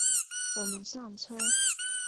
我们上车